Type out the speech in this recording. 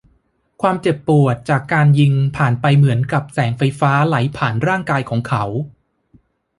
ความเจ็บปวดจากการยิงผ่านไปเหมือนกับแสงไฟฟ้าไหลผ่านร่างกายของเขา